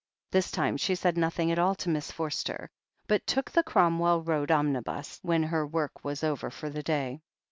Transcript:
This time she said nothing at all to Miss Forster, but took the Cromwell Road omnibus, when her work was over for the day.